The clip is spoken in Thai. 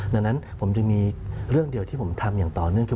ดังนั้นผมจึงมีเรื่องเดียวที่ผมทำอย่างต่อเนื่องคือ